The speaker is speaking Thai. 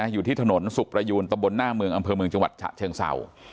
อยู่ที่ถนนศุกรยูนตนนเจยฉเชิงเศร้า